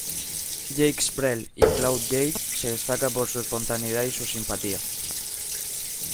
Jacques Brel e Claude Jade se destaca por su espontaneidad y su simpatía.